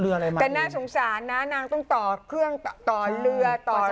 คุณแต่น่าสงสารนะน่าต้องต่อเครื่องต่อเรือ